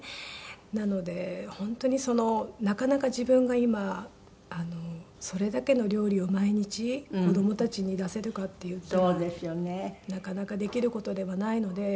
なので本当になかなか自分が今それだけの料理を毎日子供たちに出せるかっていったらなかなかできる事ではないので。